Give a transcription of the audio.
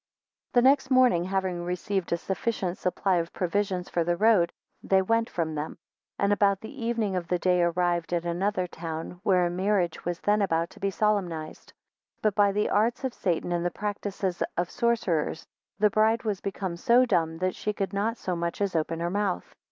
5 The next morning having received a sufficient supply of provisions for the road, they went from them, and about the evening of the day arrived at another town, where a marriage was then about to be solemnized; but by the arts of Satan and the practices of a sorcerers, the bride was become so dumb, that she could not so much as open her mouth.